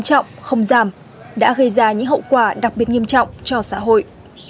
chậm không giảm đã gây ra những hậu quả đặc biệt nghiêm trọng cho xã hội